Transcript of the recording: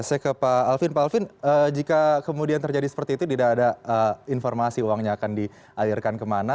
saya ke pak alvin pak alvin jika kemudian terjadi seperti itu tidak ada informasi uangnya akan dialirkan kemana